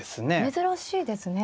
珍しいですね。